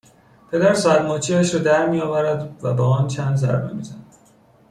پدر ساعت مچیاش را درمیآورد و به آن چند ضربه میزند